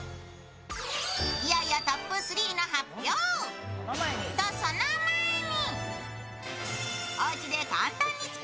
いよいよトップ３の発表とその前に。